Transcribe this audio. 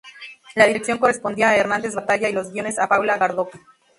La dirección correspondía a Hernández Batalla y los guiones a Paula Gardoqui.